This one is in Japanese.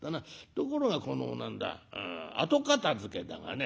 ところがこの何だ後片づけだがね